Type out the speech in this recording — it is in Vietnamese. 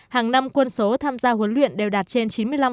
hàng năm quân số tham gia huấn luyện đều đạt trên chín mươi năm